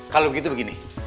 kalau begitu begini